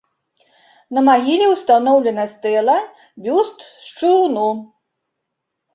На магіле ўстаноўлена стэла, бюст з чыгуну.